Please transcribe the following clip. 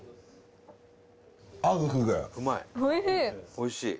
おいしい。